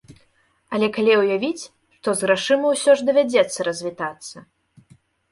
Але калі ўявіць, што з грашыма ўсё ж давядзецца развітацца?